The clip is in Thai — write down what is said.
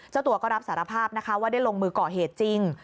เจ้าตัวก็รับสารภาพนะคะว่าได้ลงมือก่อเหตุจริง